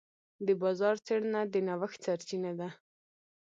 د بازار څېړنه د نوښت سرچینه ده.